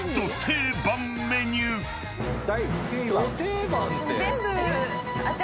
ど定番って。